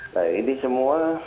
nah ini semua